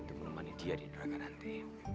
untuk menemani dia di nuraka nanti